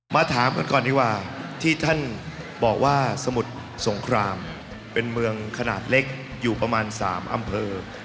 ถามกันก่อนดีกว่าที่ท่านบอกว่าสมุทรสงครามเป็นเมืองขนาดเล็กอยู่ประมาณ๓อำเภอ